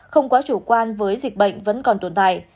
không quá chủ quan với dịch bệnh vẫn còn tồn tại